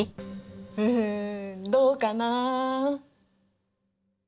ふふんどうかな。